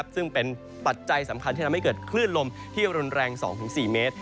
ซึ่งเป็นปัจจัยสำคัญที่ทำให้เกิดคลื่นลมที่รุนแรง๒๔เมตร